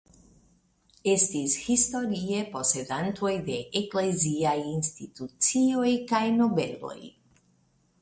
Estis historie posedantoj de ekleziaj institucioj kaj nobeloj.